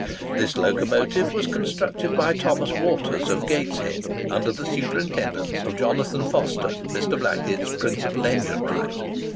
This locomotive was constructed by Thomas Waters, of Gateshead, under the superintendence of Jonathan Foster, Mr. Blackett's principal engine wright.